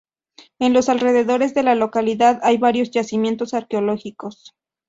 En los alrededores de la localidad hay varios yacimientos arqueológicos.